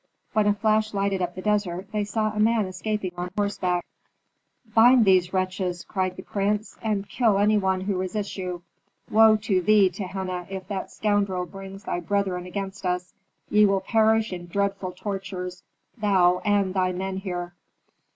When a flash lighted up the desert they saw a man escaping on horseback. "Bind these wretches!" cried the prince, "and kill any one who resists you. Woe to thee, Tehenna, if that scoundrel brings thy brethren against us. Ye will perish in dreadful tortures, thou and thy men here."